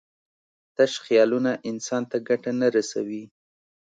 تش خیالونه انسان ته ګټه نه رسوي.